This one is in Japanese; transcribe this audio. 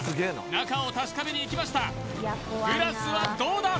中を確かめにいきましたグラスはどうだ！？